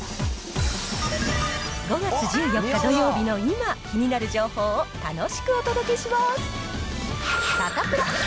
５月１４日土曜日の今、気になる情報を楽しくお届けします。